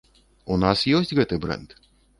У нас ёсць гэты брэнд.